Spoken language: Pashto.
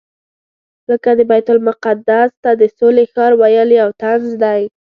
لکه د بیت المقدس ته د سولې ښار ویل یو طنز دی.